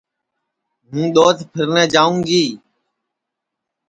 ہوں دؔوت پھیرنے جائوں گی